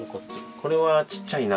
これはちっちゃいな。